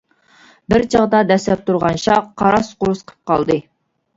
بىر چاغدا دەسسەپ تۇرغان شاخ «قاراس-قۇرۇس» قىلىپ قالدى.